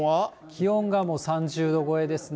気温がもう３０度超えですね。